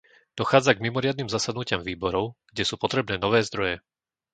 Dochádza k mimoriadnym zasadnutiam výborov, kde sú potrebné nové zdroje.